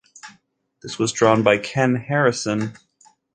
This was drawn by Ken Harrison.